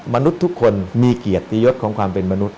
มนุษย์ทุกคนมีเกียรติยศของความเป็นมนุษย